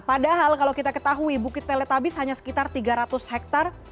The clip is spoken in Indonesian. padahal kalau kita ketahui bukit teletabis hanya sekitar tiga ratus hektare